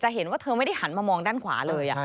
เห็นว่าเธอไม่ได้หันมามองด้านขวาเลย